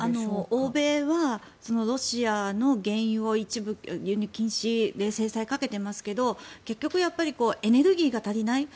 欧米はロシアの原油を一部輸入禁止で制裁をかけてますが結局、エネルギーが足りない。